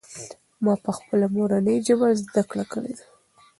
ما پخپله مورنۍ ژبه زده کړه کړې ده.